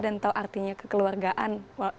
dan tahu artinya kekeluargaan